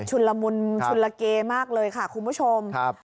มันชุนละมุนชุนละเกมากเลยค่ะคุณผู้ชม